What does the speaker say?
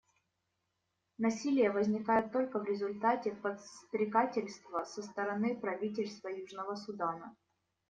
Насилие возникает только в результате подстрекательства со стороны правительства Южного Судана.